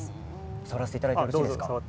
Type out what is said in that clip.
触らせていただいていいですか？